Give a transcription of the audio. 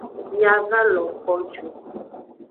Mia va lo ko ju.